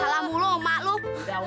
awan eh ah yul gue mau berbicara